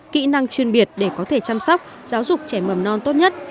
kỹ năng chuyên biệt để có thể chăm sóc giáo dục trẻ mầm non tốt nhất